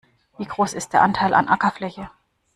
Wie groß ist der Anteil an Ackerfläche?